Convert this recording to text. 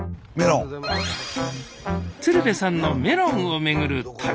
鶴瓶さんのメロンを巡る旅。